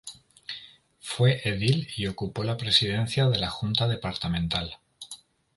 Fue Edil y ocupó la Presidencia de la Junta Departamental.